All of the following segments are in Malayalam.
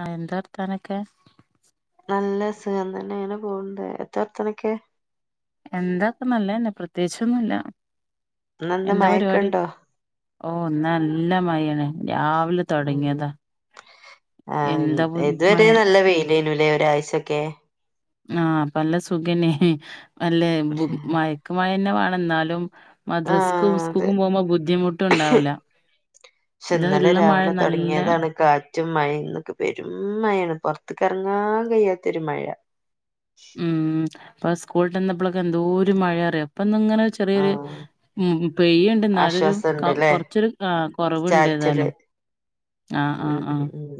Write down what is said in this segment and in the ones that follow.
ആ, എന്താ വർത്താനക്കെ? നല്ല സുഖം തന്നെ അങ്ങനെ പോണ്ട്. എന്തവർത്തനക്കെ? എന്താപ്പ് നല്ലല്ലേ പ്രത്യേകിച്ചൊന്നുല്ല ഇന്നെന്താ എന്താ പരിപാടി? മഴൊക്കെണ്ടോ ഓ, നല്ല മഴ ണ് രാവിലെ തൊടങ്ങിയതാ ആ, എന്താ പു മഴ ഇതുവരെ നല്ല വെയിലേല്ലെ ഒരാഴ്ച്ചൊക്കെ. ആ, അപ്പല്ല സുഖന്നേ നല്ലേ ബു മഴ ക്ക് മഴ തന്നെ വേണം എന്നാലും മദ്രസ്ക്കും ആഹ് അതെ സ്കൂക്കുംപോമ്പോ ബുദ്ധിമുട്ടുണ്ടാവില്ല. പക്ഷെ എന്താ ഇന്നലെ ഇല്ല മഴ രാവിലെ നല്ല തൊടങ്ങിയതാണ് കാറ്റും മഴയും ഇ ന്നോ ക്കെ പേരും മഴയാണ്. പൊറത്തക്കെറങ്ങാൻ കഴിയാത്തൊരു മഴ. മ്മ്, അപ്പ സ്കൂളിട്ട് വന്നപ്പളക്കെ എന്തോരു മഴയറിയാം അപ്പന്നങ്ങനെ ചു ചെറിയൊരു ആഹ് മ്മ് പെയ്യണ്ട് എന്നാലൊരു ക ആശ്വാസണ്ട്ല്ലേ കൊറച്ചൊരു ആ കൊറവുണ്ട് ചാറ്റല് ഏതാലും ആ ആ ഉം ആ, ഉം ഉം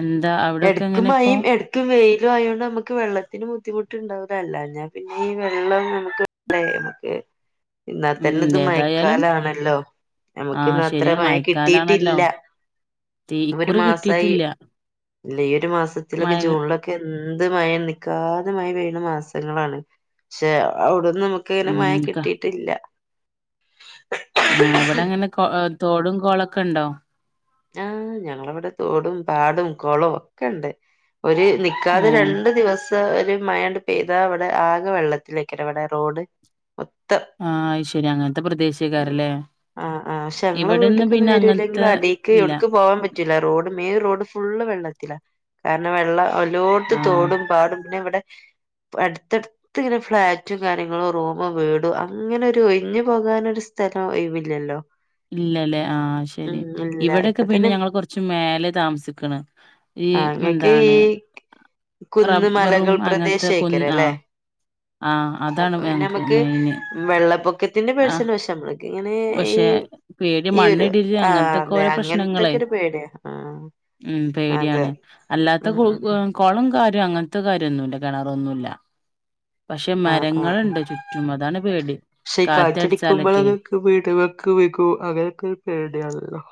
എന്താ അവിടൊക്കെങ്ങനയിപ്പോ? ക്ക് വെയിലുവായോണ്ട് നമുക്ക് വെള്ളത്തിന് ബുദ്ധിമുട്ടുണ്ടാവു വെള്ളഴിഞ്ഞ പിന്നെ ഈ വെള്ളം നമുക്ക് [unintelligible] ഇന്ന ഉം തന്നെത് മഴ ഏതായാലും ക്കാലാണല്ലോ? ആ നമുക്കിന്നത്ര ശരിയാണ് മഴ മഴക്കാലാണല്ലോ കിട്ടിട്ടില്ല തീ ഒരു ഇക്കുറി മാസായി കിട്ടിയിട്ടില്ല ഇല്ല ഈ ഒരു മാസത്തിലൊക്കെ മഴ ജൂണിൽ എന്ത് മഴ നിക്കാതെ മഴ പെയ്യണ മാസങ്ങളാണ്. പക്ഷെ അവിടുന്ന് നമു ക്കിങ്ങനെ ഉം മഴ ക കിട്ടിയിട്ടില്ല. ആ, ഇവിടങ്ങനെ കൊ തോടും കൊളൊക്കെണ്ടോ? ആ, ഞങ്ങളവിടെ തോടും പാടും കൊളവും ഒക്കെ ഉണ്ട്. ഒരു നിക്കാതെ ഏ രണ്ട് ദിവസ ഒരു മഴണ്ട് പെയ്താ അവിടെ ആകെ വെള്ളത്തിലേക്കയിവിടെ റോഡ്. മൊത്തം ആ, ശരി അങ്ങനത്തെ ഉം പ്രദേശക്കാരല്ലേ ആഹ് ആഹ് ഇവിടെന്ന് പിന്നെ അങ്ങനത്തെ ഇല്ല എവിടുക്ക് പോവാൻ പറ്റില്ല. റോഡ് മെയിൻ റോഡ് ഫുള്ള് വെള്ളത്തില കാരണ വെള്ള എല്ലോടത്ത് ആ തോടും പാടും പിന്നെ ഇവിടെ അടുത്തടു ത്തിങ്ങനെ ഫ്ളാറ്റും കാര്യങ്ങളും റൂമും വീടും അങ്ങനൊരു ഒയിഞ്ഞ് പോകാനൊരു സ സ്ഥലം ഒയിവില്ലല്ലോ. ഇല്ലല്ലേ ആ ശരി ഇ ഇപ്പ ഇവിടെക്കെ പിന്നെ തന്നെ ഞങ്ങൾ കൊറച്ച് മേലെ താമസിക്കണ് ഈ ആഹ് എ ഇങ്ങക്ക് ഈ ന്താണ് കുന്ന് റബ്ബറും മലകൾ അങ്ങനത്തെ കുന്ന് പ്രദേശേയ്ക്കാരം ആ. അല്ലേ ആ, അപ്പൊ അതാണ് പിന്നെ ഞങ്ങക്ക് നമ്മക്ക് മെയിന്. വെള്ളപ്പൊക്കത്തിന്റെ [unintelligible] ആ പക്ഷേ നമ്മൾ പക്ഷെ പേടി ഒരു മണ്ണിടില് ആഹ് അങ്ങനത്തെ അതെ ക്കോരൊ പ്രശ്നങ്ങളെ അങ്ങനത്തൊക്കെ ഒരു പേടിയാ ആഹ് മ്മ് അതെ പേടിയാണ് അല്ലാത്ത ഉം കു ഉം ഉം കൊളം കാര്യം അങ്ങനത്തെ കാര്യൊന്നുയില്ല കിണറൊന്നുല്ല. ആഹ് ആഹ് മരങ്ങളണ്ട് ആഹ് ചുറ്റുമതാണ് പേടി കാറ്റടിച്ചാലൊക്കെ [unintelligible] അങ്ങനക്കൊരു പേടിയാണല്ലോ.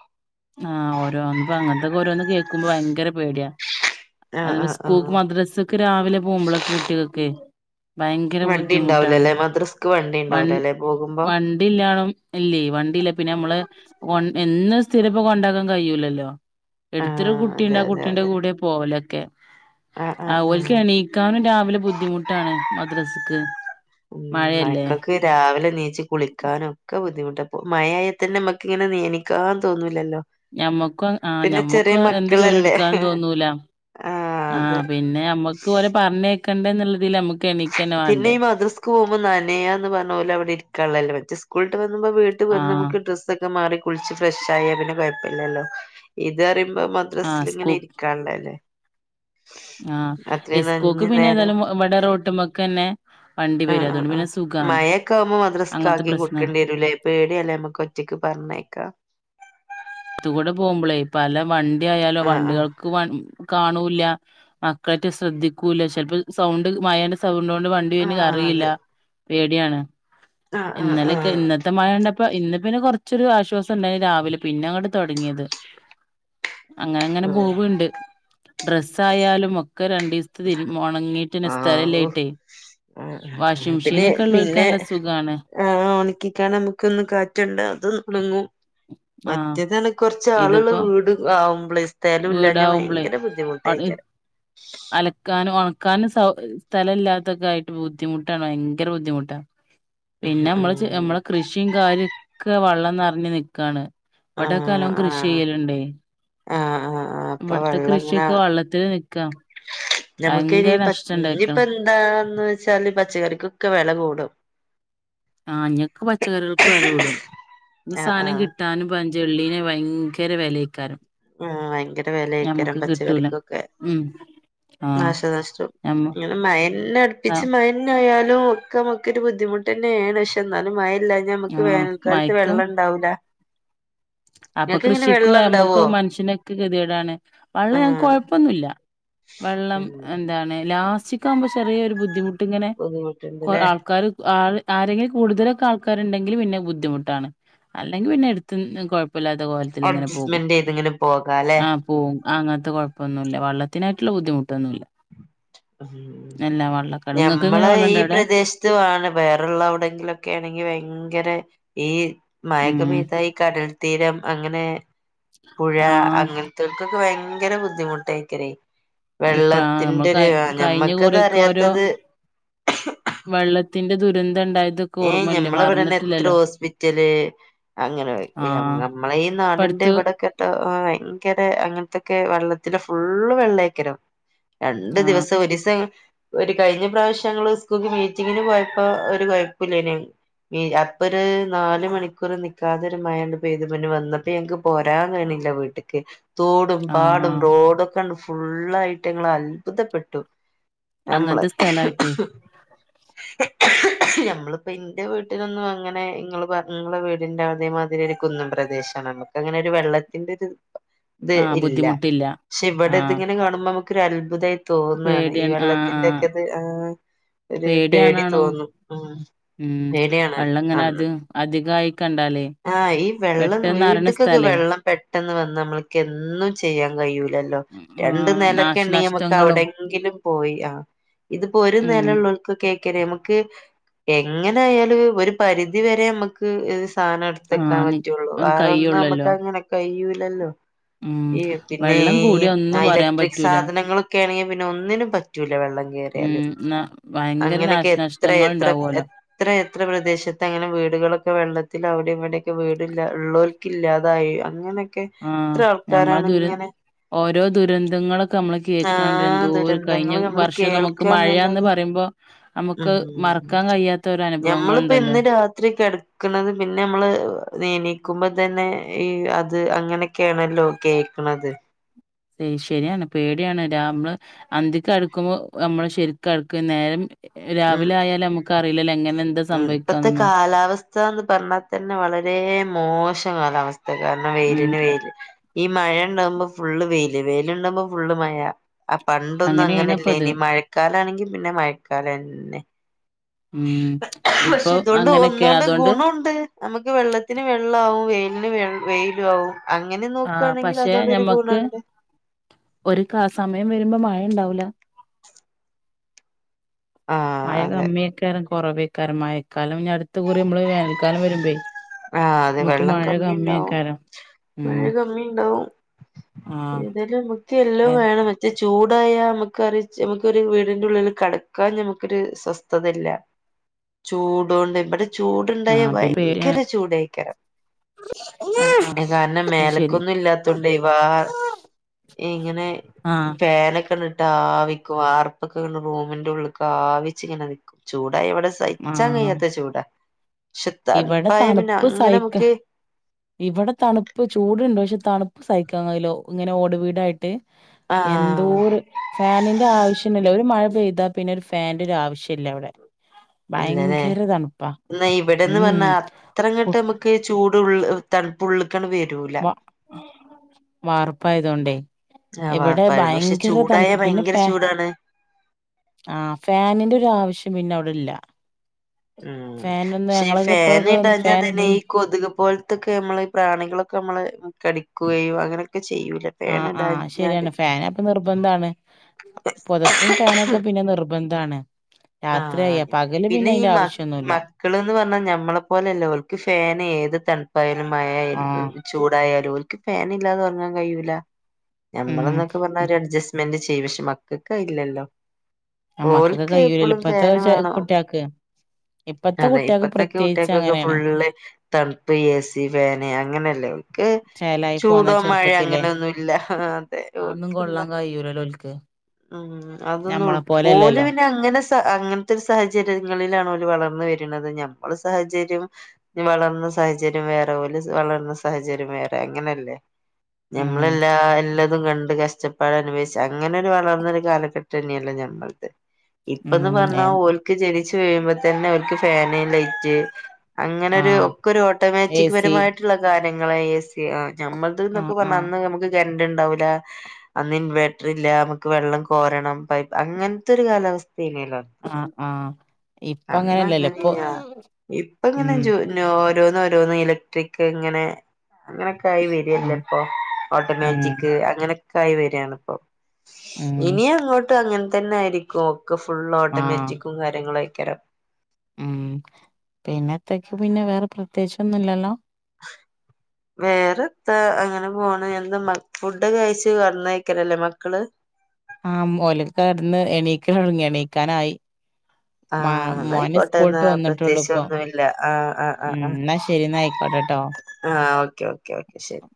ആ ഓരോന്ന് ഇപ്പ അങ്ങനത്തൊക്കെ ഓരോന്ന് കേക്കുമ്പോ ഭയങ്കര പേടിയാ ആഹ് അത് ആഹ് ആഹ് സ്കൂക്ക് മദ്രാസക്കെ രാവിലെ പോമ്പോളക്കെ കുട്ടികക്കെ ഭയങ്കര വണ്ടി ബുദ്ധിമുട്ടാണ് ഉണ്ടാവൂലല്ലേ മദ്രസ്ക്ക് വണ്ടി വ ഉണ്ടാവൂലല്ലേ പോകുമ്പോ വണ്ടില്ലാണം ഇല്ലേ വണ്ടീലേ പിന്നെ നമ്മള് കൊ എന്നും സ്ഥിര പ്പ കൊണ്ടാക്കാൻ കയിയൂലല്ലോ എടുത്തൊരു ആഹ് അതെ കുട്ടീണ്ട് ആ അതെ കുട്ടീന്റെ അതെ കൂടെയാ പോവലൊക്കെ ആഹ് ആ ആഹ് ആഹ് ഓൽക്കാണീ ക്കാനും രാവിലെ ബുദ്ധിമുട്ടാണ് മദ്രസക്ക് ഉം മഴയല്ലേ മയക്കൊക്കെ രാവിലെ നീച്ച് കുളിക്കാനും ഒക്കെ ബുദ്ധിമുട്ടാ അപ്പൊ മയയായാ തന്നെ മ്മക്കിങ്ങനെ നെനീക്കാൻ തോന്നൂല്ലല്ലോ ഞമ്മക്കും ആഹ് ഞമ്മക്ക് എന്ത് ജോലി മക്കളല്ലേ എടുക്കാനും തോന്നൂല ആഹ് പിന്നെ ഞമ്മക്ക് ഓലെ പറഞ്ഞേക്കണ്ടേ എന്നുള്ളിതീല് നമ്മുക്ക് എണീ പിന്നെ ഈ മദ്രസ്ക് പോകുമ്പോ നനയാ എന്ന് പറഞ്ഞ പോലെ അവിടെ ഇരിക്കാനുള്ളല്ലേ മ കൂളിട്ടു വന്നുമ്പോ വീട്ടി ആ വന്ന് നമുക്ക് ഡ്രസ്സൊ ക്കെ മാറി കുളിച്ച് ഫ്രഷായാ പിന്നെ കൊയപ്പില്ലല്ലോ ഇതറയുമ്പോ മദ് ആ സ്കൂ ദ്രസേലിങ്ങനെ ഇരിക്കാണ്ടേ ല്ലേ ആഹ് ഇസ്കൂക്ക് നേരം പിന്നേതായാലും ഇവിടെ റോട്ടുമ്മേക്ക് ന്നെ ആഹ് ആഹ് ആഹ് മയയൊക്കാവുമ്പോ മദ്രസ്ക് അങ്ങനത്തെ ആക്കി പ്രശ്നാണ് കൊടുക്കേണ്ടി വരൂലേ പേടിയാല്ലേ നമ്മക്ക് ഒറ്റക്ക് പറഞ്ഞയക്കാ ത്തുകൂടെ പോകുമ്പോളേ പല വണ്ടിയായാലോ ആഹ് വണ്ടികൾ ആഹ് ക്ക് വ കാണൂല്ല മക്കളൊറ്റ് ശ്രദ്ധിക്കൂല്ല ചിലപ്പോ സൗണ്ട് മയായോണ്ട് സൗണ്ടോണ്ട് വണ്ടി ആഹ് വരുന്നതറില്ല അതെ പേടിയാണ് ആഹ് ആഹ് ഇന്നലെക്കെ ആഹ് ഇന്നത് ത്തെ മയകണ്ടപ്പോ ഇന്ന് പിന്നെ കുറച്ചൊരു ആശ്വാസം ഉണ്ടായിരുന്നു രാവിലെ പിന്നെ അങ്ങട് തൊടങ്ങിയത് അങ്ങനങ്ങനെ ആഹ് ബൂഗുണ്ട് ഡ്രസ്സായാലും ഒക്കെ രണ്ടു ദീസത്തി തീരും ഉണങ്ങീട്ട് പിന്നെ ആഹ് ഓഹ് സ്ഥലല്ലായ്ട്ടേ ആഹ് ആഹ് ആഹ് വാഷിംഗ് പിന്നെ മെഷീനൊക്കെ ഉള്ളോര്ക്ക് പിന്നെ നല്ല സുഖാണ് ആഹ് ഒണക്കിക്കാൻ നമുക്ക് ഒന്ന് കാറ്റുണ്ട് അതും ഉണങ്ങും ആഹ് മറ്റേതാണേ കൊറച്ച് ആളുകള് ഇതിപ്പോ വീട് ആവുമ്പളേ തേലും ഇല്ലാഞ്ഞാ വീടാവുമ്പളേ ഭയങ്കര ബുദ്ധിമുട്ടായിക്കാര അലക്കാനും ഒണക്കാനും സൗ സ്ഥലം ഇല്ലാത്തൊക്കെ ആയിട്ട് ബുദ്ധിമുട്ടാണ് ഭയങ്കര ബുദ്ധിമുട്ടാണ് പിന്നെ മ്മള് ഉം മ്മളെ കൃഷിയും കാര്യൊക്കെ വെള്ളം നിറഞ്ഞ് നിക്കാണ് ഇവിടൊക്കെ ആഹ് നല്ലോം കൃഷി ആഹ് ചെയ്യലുണ്ടേ ആഹ് ആഹ് ആഹ് അപ്പൊ ഇവിടത്തെ വെള്ളം ഇങ്ങനെ കൃഷിയൊക്കെ വെള്ളത്തില് നിൽക്കാ നമുക്ക് ഇനി ഇനിപ്പോ എന്താന്ന് വെച്ചാല് പച്ചക്കറിക്കൊക്കെ വെല കൂടും ആഹ് ഇഞ്ഞ്യക്കെ പച്ചക്കറികൾക്ക് വെല കൂടും ഇനി ആഹ് സാനം ആഹ് കിട്ടാനും പഞ്ചവെള്ളീന് ഭയങ്കര വിലയക്കാരം ആഹ് ഭയങ്കര വിലയാക്കാരം പച്ചക്കറിക്കൊക്കെ ഉം ആഹ് നാശനഷ്ടം ഞമ്മ ഇങ്ങനെ മയന്നെ അടുപ്പിച്ച് മയ ന്നായാലും ഒക്കെ നമുക്കൊരു ബുദ്ധിമുട്ട് തന്നെയാണ് പക്ഷെ എന്നാലും മയല്ലാ ഞമുക്ക് ആഹ് വേനൽക്കാലത്ത് മയക്കും വെള്ളം ണ്ടാവൂല അപ്പൊ കൃഷിക്കും നമ്മക്ക് ഇണ്ടാവോ മനുഷ്യനൊക്കെ ഗതികേടാണ് വെള്ളം ഞാക്ക് ആഹ് കൊഴപ്പൊന്നൂല്ല വെള്ളം അങ്ങനെ എന്താണ് ലാസ്റ്റിക്ക ആകുമ്പോ ചെറിയൊരു ബുദ്ധിമുട് ട്ടിങ്ങനെ കൊ ബുദ്ധിമുട്ടുണ്ട്ല്ലേ ആൾക്കാര് ആള് ആരെങ്കിലും കൂടുതലൊക്കെ ആൾക്കാരുണ്ടെങ്കില് പിന്നെ ബുദ്ധിമുട്ടാണ് അല്ലെങ്കി പിന്നെ എടുത്ത് വെ പ്പല്ലാത്ത കോലത്തിലിങ്ങനെ പോകും അഡ്ജസ്റ്റ്മെന്റ് ചെയ്ത് ഇങ്ങനെ പോകാല്ലേ ആഹ് പോവും അങ്ങനത്തെ കുഴപ്പമൊന്നുമില്ല വെള്ളത്തിനായിട്ടുള്ള ബുദ്ധിമുട്ടൊന്നുമില്ല ഉം ഇങ്ങക്ക് എങ്ങനെ ഞമ്മളെ ഈ വെള്ളണ്ടോ അവിടെ പ്രദേശത് ത്തുവാണ് വേറൊള്ള എവിടെങ്കിലുംക്കെ ആണെങ്കി ഭയങ്കര ഈ മയക്കെ ഉം പെയ്തായി കടൽത്തീരം അങ്ങനെ പുഴ ആഹ് അങ്ങനെ ക്യുക്കൊക്കെ ഭയങ്കര ബുദ്ധിമുട്ടായിക്കരി ഇപ്പ നമ്മൾ വെള്ളത്തിന്റെ രു കയി ആഹ് കഴിഞ്ഞ ഞമ്മക്കത് കുറിയൊക്കെ ഓരോ അറിയാത്തത് വെള്ളത്തിന്റെ ദുരന്തം ണ്ടായത് ഏയ് ഞമ്മളവിടെന്നെ എത്ര ഹോസ്പിറ്റല് അങ്ങനെ ആഹ് നമ്മളെ ഈ നാടിന്റെ ഇപ്പടുത്ത് ഇവിടെക്കെ ആ ഭയങ്കര അങ്ങൻത്തെക്കെ വെള്ളത്തിന്റെ ഫുള്ള് വെള്ളേയ്ക്കരം. രണ്ട് ആഹ് ദിവസം ഒരിസം [unintelligible] ഒരു കഴിഞ്ഞ പ്രാവശ്യങ്ങള് സ്കൂക്ക് മീറ്റിങ്ങിന് പോയപ്പോ ഒരു കൊയപ്പല്ലേനി. [unintelligible] പ്പോര് നാല് മണിക്കൂറ് നിക്കാതരു മഴണ്ട് പെയ്തു, പിന്നെ വന്നപ്പോ ഞങ്ങക്ക് പോരാൻ കയിണില്ല വീ ട്ട്ക്ക് തോടും പാടും ആഹ് റോഡുക്കണ്ട് ഫുള്ളായിട്ട് ങ്ങളൽഭുതപ്പെട്ടു. ഞമ്മള് അങ്ങനത്തെ സ്ഥലായിട്ടേ ഞമ്മ നമ്മളിപ്പോ ന്റെ വീട്ടിലൊന്നും അങ്ങനെ ഇങ്ങള് പറഞ്ഞ ഇങ്ങള വീടിന്റെ അതേമാതിരി ഒരു കുന്നും പ്രദേശാണ്. ടങ്ങനെ ഒരു വെള്ളത്തിന്റെ ഒര്ത് ആഹ് ഇല്ല, ബുദ്ധിമുട്ടില്ല പക്ഷെ ആഹ് ഇവിടെതിങ്ങനെ കാണുമ്പോ ഇക്കൊരത്ഭുതായി. തോന്നാണ്, ഈ പേടിയാണ് ആഹ് ആഹ് വെള്ളത്തിന്റെക്കെത് ആ ഒരു പേടി പേടിയാണാണും തോന്നും. ഉം പേടിയാണ് വെള്ളംങ്ങനെ അന്ന്. അത് അധികായി കണ്ടാലേ. ആഹ് ഈ വെള്ളം പെട്ടെന്ന് അറിയണ വീട്ട്ക്കൊക്കെ സ്ഥലേ വെള്ളം പെട്ടെന്ന് വന്ന നമ്മൾക്കെന്നും ചെയ്യാൻ കയൂല്ല. ലല്ലോ രണ്ടു ആഹ് നിലെക്കെണ്ടെങ്കി നമുക്ക് നാശനഷ്ടങ്ങളും അവിടെങ്കിലും പോയി ആ ഇതിപ്പോരു നെല ഉം ഉള്ളേർകൊക്കേക്കെരെമ്ക്ക് എങ്ങനായാലും ഒരു പരിധി വരെമ്മക്ക് സാധനടുത്തെക്കാൻ ആഹ് നി പറ്റുള്ളൂ, വേറൊന്നും കയ്യൊള്ളല്ലോ അമക്കങ്ങനെ കയ്യൂലല്ലോ. ഉം ഈ പിന്നെ വെള്ളം ഈ കൂടിയ ഒന്നും പറയാൻ ഇലക്ട്രിക് പറ്റൂല സാധനങ്ങളും ക്കെണെകി പിന്നൊന്നിനും പറ്റൂല വെള്ളം കേറിയാല്, ഉം ന ഭയങ്കര അങ്ങനെക്കെ നാശനഷ്ടങ്ങൾ എത്രയെത്ര ഉണ്ടാവുമല്ലോ എത്ര എത്ര പ്രദേശത്ത് അങ്ങനെ വീടുകളൊക്കെ വെള്ളത്തിലവിടെം ഇവിടെക്കെ വീടില്ല ഉള്ളോ ക്കില്ലാതായി, അങ്ങനെക്കെ ആഹ് എത്ര ഞമ്മളെ ദുര ആൾക്കാരാണ്ങ്ങനെ ഓരോ ദുരന്തങ്ങളൊ ക്കെമ്മള് ആ കേൾക്കാണ്ട് എന്തോരു കഴിഞ്ഞ ദുരന്തങ്ങള് നമ്മള് വർഷം നമുക്ക് മഴയാന്ന് കേൾക്കാന്നല്ലാതെ പറേമ്പോ ഉം നമുക്ക് മറക്കാൻ കയ്യാത്ത ഒരോ അനുഭവങ്ങള്ണ്ടല്ലേ. ക്ക്ണത് പിന്നെമ്മള് എണീക്കുമ്പോ തന്നെ ഈ അത് അങ്ങനെ ക്കേണല്ലോ കേക്ക്ണത്. ശരിയാണ് പേടിയാണ് രാ മ്മള് അന്തിക്കെടക്കുമ്പോ അമ്മള് ശരിക്കെടുക്കും നേരം ഉം രാവിലായാല് അമുക്കറിയില്ലല്ലോ എങ്ങനെ എന്താ സംഭവിക്കാന്നൊന്നും കാലാവസ്ഥ സ്ഥാന്ന് പറഞ്ഞാ തന്നെ വളരെ മോശം കാലാവസ്ഥ കാരണം ഉം വെയിലിന് വെയില്. ഈ മഴാണ്ടാമ്പോ ഫുള്ള് വെയില് വെയിലുണ്ടാമ്പോ ഫുള്ള് മഴ. ആ പണ്ടൊന്നും അങ്ങനെയാണ് ഇപ്പ അത് അങ്ങനെല്ലേനി മഴക്കാലാണെങ്കി പിന്നെ മഴക്കാലന്നെ. ഉം ഇപ്പൊ പക്ഷേ ഇതോണ്ട് അങ്ങനെയൊക്കെയാണ് ഒന്നോണ്ട് അതുകൊണ്ട് ഗുണണ്ട്. നമുക്ക് വെള്ളത്തിന് വെള്ളാവും വെയിലിന് വെൾ വെയിലു ആവും. അങ്ങനെ ആ പക്ഷെ നോക്ക്കാണെങ്കിലതോണ്ടൊരു ഞമ്മക്ക് ഗുണണ്ട്. ഒരു കാ സമയം വരുമ്പോ മഴണ്ടാവൂല്ല. ആഹ് മയ അതെ കമ്മിയെക്കാരം കൊറവേക്കാരം മയക്കാലം നിയടുത്ത കുറി മ്മള് വേനൽക്കാലം വരുമ്പേ ആഹ് അതേ നമുക്ക് മഴ വെള്ളകമ്മിണ്ടാവും കമ്മിയക്കാരം മഴ ഉം കമ്മിണ്ടാവും. ആഹ് ഏതാലും [unintelligible] എല്ലാം ഏ വേണം. ചൂടായാ അമുക്കറിയാ നമുക്കൊരു വീടിന്റുള്ളില് കടക്കാൻ ഞമുക്കൊരു സ്വസ്ഥതയില്ല. ചൂടൊണ്ട് ഇവ്ടെ ചൂടുണ്ടായാ ആഹ് പിന്നെ ഭയങ്കര പേടിയാണ് ചൂടേക്കരം. കാരണം അത് ശരി മേലക്കൊന്നുല്ലാത്തോണ്ട് ഇവാർ ഇങ്ങനെ ആഹ് ഫാനൊക്കണ്ട്ട്ടാവി വാർപ്പൊക്കെള്ള റൂമിന്റെ ഉള്ളിക്ക് ആവിച്ച് ഇങ്ങനെ നിക്കും, ചൂടായ ഇവിടെ സയ്ച്ചാൻ ആഹ് കയാത്ത ചൂട, ഷേ തണു നല്ല തണുപ്പ് സഹിക്കാ. ഇവിടെ തണുപ്പ് ചൂട്ണ്ട് പക്ഷേ തണുപ്പ് സഹിക്കാൻ കയില്ല ഇങ്ങനെ ഓട് വീടായിട്ട്. ആഹ് എന്തോര് ഫാനിന്റെ ആവശ്യൊന്നില്ല ഒരു മഴ പെയ്താ പിന്നൊരു ഫാന്റൊരു ആവശ്യല്ല ഇവിടെ. ഇല്ലല്ലേ ഭയങ്കര തണുപ്പാ. എന്നാ ഇവിടെന്ന് ഉം പറഞ്ഞാ അത്ര കു അങ്ങോട്ട് നമ്മുക്ക് ചൂട് ഉള്ള് തണുപ്പ് ഉള്ളിക്കണ്ട് വരൂല വ വാർപ്പായതോണ്ടേ ആഹ് ഇവിടെ വാർപ്പായോണ്ട് പക്ഷെ ഭയങ്കര ചൂടായ തണുപ്പ് പിന്നെ ഭയങ്കര ഫാ ചൂടാണ് ആ ഫാനിന്റെ ഒരു ആവശ്യം പിന്നെ അവിടെ ഇല്ല. ഉം ഫാനൊന്നും പക്ഷേ ഈ ഞങ്ങളൊക്കെ ഫാൻ ഇപ്പോഴൊക്കെ ഒന്ന് ഫാൻ ഇട ഇടഞ്ഞാൽതന്നെ ഈ കൊതുക് പോല ത്തൊക്കെ നമ്മളെ ഈ പ്രാണികളൊക്കെ നമ്മളെ കടിക്കുകയോ അങ്ങനെയൊക്കെ ചെയ്യൂലേ? ഫാന് ആഹ് ആഹ് ഇടാഞ്ഞാല് ശരിയാണ് ഫാന് അപ്പൊ നിർബന്ധാണ് പൊതപ്പും ഫാനൊക്കെ പിന്നെ നിർബന്ധമാണ്. ആ അവര് പിന്നെ ഈ മ ആവശ്യൊന്നുല്ല മക്കൾന്ന് പറഞ്ഞാ ഞമ്മളെ പോലല്ല ക്ക് ഫാന് ഏത് തണുപ്പായാലും ആ മഴയാലും ചൂടായാലും ഓരിക്ക് ഫാൻ ഇല്ലാതെ ഉറങ്ങാൻ കഴിയൂല്ല. ഞമ്മളന്നൊക്കെ പറഞ്ഞാ ഒരു ഉം അഡ്ജസ്റ്റ് മെന്റ് ചെയ്യും പക്ഷെ മക്കക്ക് അത് ഇല്ലല്ലോ. മക്കക്ക് ഓല്ക്ക് കയ്യൂലല്ലോ എപ്പോഴും ഫാന് ഇപ്പത്തെ വേണം കുട്ട്യാക്ക് ഇപ്പത്തെ അതെ കുട്ടികൾക്ക് ഇപ്പത്തക്കെ പ്രത്യേകിച്ച് കുട്ടികക്കൊക്കെ അങ്ങനെയാണ് ഫുള്ള് തണുപ്പ്, എ സി, ഫാൻ, അങ്ങനെയല്ലേ ക്ക് ചേലായി പോന്ന ചൂടോ, മഴയോ ചെറുപ്പത്തിലെ അങ്ങനെയൊന്നു ഇല്ല അതെ അതൊന്നും ഓല്ക്ക് കൊള്ളാൻ എന്താ. കഴിയൂലല്ലോ ഓൽക്ക് ഉം അതൊന്നും ഉൾ ഞമ്മളെ ഓല് പോലെല്ലല്ലോ പിന്നെ അങ്ങനെ അങ്ങനത്തെ ഒരു സാഹചര്യങ്ങളിലാണ് വളർന്ന് വരുന്നത് ഞമ്മടെസാഹചര്യം വളർന്ന സാഹചര്യം വേറെ ഓല് വളർന്ന സാഹചര്യം വേറെ അങ്ങനെയല്ലേ? ഞമ്മള് ഉം എല്ലാ എല്ലാതും കണ്ട് കഷ്ടപ്പാട് അനുഭവ അങ്ങനെ ഒരു വളർന്നൊരു കാലഘട്ടം തന്നെയല്ലോ ഞമ്മളുടെത് ഇപ്പന്ന് ഉം പറഞ്ഞാ ഏ ഓല് ജനിച്ച് വിഴുമ്പോ തന്നെ അവർക്ക് ഫാന്, ലൈറ്റ്, അങ്ങനെ ഒരു ആഹ് ഒക്കെ ഒരു ഏ ഓട്ടോമാറ്റിക് സി പരമായിട്ടുള്ള കാര്യങ്ങളാഎ സി ആ ഞമ്മക്ക് അത് ന്നോക്കെ ആഹ് പറഞ്ഞാ ആഹ് അന്ന് നമുക്ക് കരണ്ട് ഉണ്ടാവൂല്ല. അന്ന് ഇൻവേർട്ടർ ഇല്ല. നമുക്ക് വെള്ളം കോരണം. പൈപ്പ് അങ്ങനത്തെ ഒരു കാലാവസ്ഥയേനില്ലോ? ആഹ് ആഹ് ഇപ്പ അന്ന് അങ്ങനെല്ലല്ലോ ഇപ്പൊ അങ്ങനെനാ ഇപ്പ ഇങ്ങനെ ഉം എൻ ഓരോന്ന് ഓരോന്ന് ഇലക്ട്രിക് ഇങ്ങനെ അങ്ങനെയൊക്കെ ആയി ഉം വരില്ലോ ഇപ്പൊ ഉം ഓട്ടോമാറ്റിക് അങ്ങനൊക്കെ ആയി വരിയാണ് ഇപ്പൊ. ഉം ഇനി അങ്ങോട്ട് അങ്ങനെ തന്നെ ആയിരിക്കും. ഒക്കെ ഫുള്ള് ആഹ് ഓട്ടോമാറ്റിക്കും കാര്യങ്ങളും ആയിക്കരാ ഉം പിന്നെത്തക്ക് പിന്നെ വേറെ പ്രത്യേകിച്ച് ഒന്നും ഇല്ലല്ലോ? വേറെ എന്താ അങ്ങനെ പോണ്. എന്താ ഫുഡ് കഴിച്ച് കിടന്നാരിക്കലല്ലേ മക്കള്? ആ ഓല് കിടന്ന് എണീക്ക് തുടങ്ങി എണീക്കാനായി. മ ആഹ് മോന് എന്നായിക്കോട്ടെ സ്കൂള് എന്നാ വിട്ട് വന്നിട്ടുള്ളൂ പ്രത്യേകിച്ച് ഇപ്പൊ ഒന്നുമില്ല ആഹ് ഉം എന്നാ ശരി എന്നാ ആയിക്കോട്ടെട്ടോ. ആ ഓക്കെ ഓക്കെ ഓക്കെ ശരി.